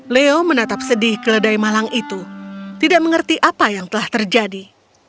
leo menatap sedih keledai malang itu tidak mengerti apa yang telah terjadi